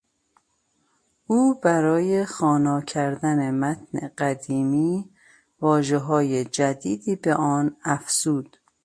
او برای خوانا کردن متن قدیمی واژههای جدیدی به آن افزود.